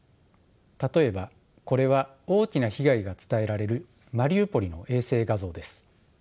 例えばこれは大きな被害が伝えられるマリウポリの衛星画像です。